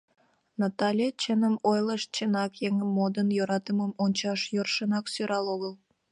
Натале чыным ойлыш: чынак, еҥын модын йӧратымым ончаш йӧршынак сӧрал огыл.